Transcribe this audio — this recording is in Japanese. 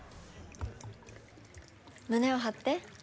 胸を張って。